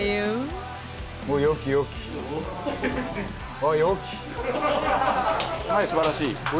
はい素晴らしい！